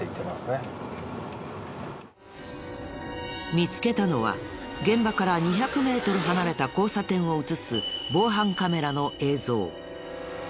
見つけたのは現場から２００メートル離れた交差点を映す防犯カメラの映像。